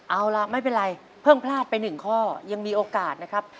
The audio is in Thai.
เอาล่ะไม่เป็นไรเพิ่งพลาดไป๑ข้อยังมีโอกาสนะครับ